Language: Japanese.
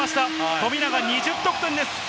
富永、２０得点です！